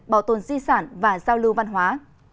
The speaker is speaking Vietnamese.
bảo tồn di sản và giao lưu văn hóa